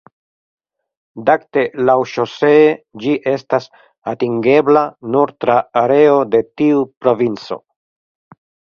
Dakte laŭŝosee ĝi estas atingebla nur tra areo de tiu provinco.